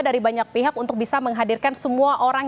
dari banyak pihak untuk bisa menghadirkan semua orang